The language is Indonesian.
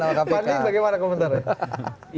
fadli bagaimana komentar ya